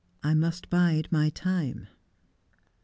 I MUST BIDE MY TIME. Mr.